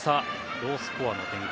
ロースコアの展開。